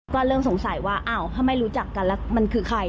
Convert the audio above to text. ก็เริ่มสงสัยว่าอ้าวถ้าไม่รู้จักกันแล้วมันคือใคร